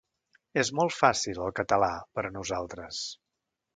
És molt fàcil, el català, per a nosaltres.